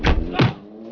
lo sudah bisa berhenti